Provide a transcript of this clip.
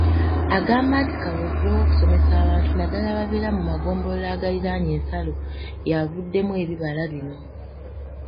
Agamba nti kaweefube w'okusomesa abantu naddala ababeera mu magombolola agaliraanye ensalo y'avuddemu ebibala bino.